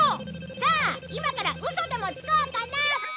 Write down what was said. さあ今からウソでもつこうかな！